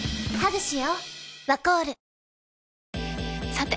さて！